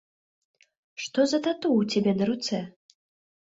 Што за тату ў цябе на руцэ?